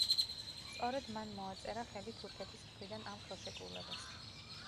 სწორედ მან მოაწერა ხელი თურქეთის მხრიდან ამ ხელშეკრულებას.